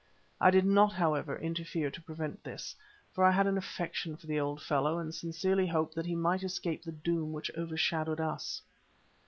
I did not, however, interfere to prevent this, for I had an affection for the old fellow, and sincerely hoped that he might escape the doom which overshadowed us.